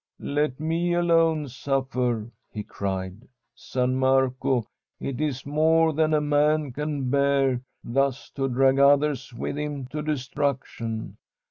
' Let me alone suffer !' he cried. ' San Marco, it is more than a man can bear, thus to drae others with him to destruction.